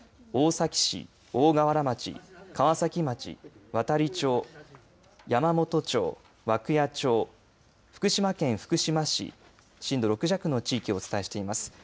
大崎市、大河原町、川崎町、亘理町、山元町、涌谷町、福島県福島市、震度６弱の地域をお伝えしています。